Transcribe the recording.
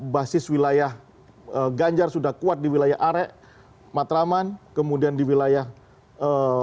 basis wilayah ganjar sudah kuat di wilayah are mata raman kemudian di wilayah tapal kuda dan madura